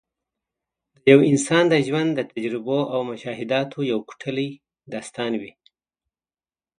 د یو انسان د ژوند د تجربو او مشاهداتو یو کوټلی داستان وي.